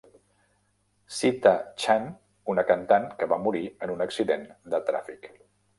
Sita Chan, una cantant que va morir en un accident de tràfic.